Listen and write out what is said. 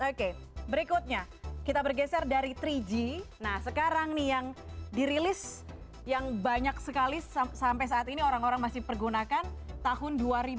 oke berikutnya kita bergeser dari tiga g nah sekarang nih yang dirilis yang banyak sekali sampai saat ini orang orang masih pergunakan tahun dua ribu dua puluh